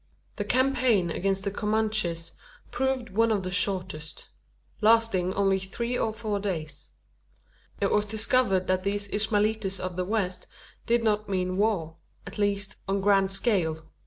The campaign against the Comanches proved one of the shortest lasting only three or four days. It was discovered that these Ishmaelites of the West did not mean war at least, on a grand scale.